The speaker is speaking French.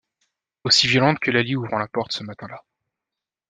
Aussi violente que Laly ouvrant la porte ce matinlà.